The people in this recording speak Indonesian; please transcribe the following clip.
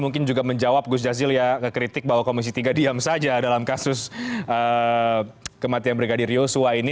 mungkin juga menjawab gus jazil ya kekritik bahwa komisi tiga diam saja dalam kasus kematian brigadir yosua ini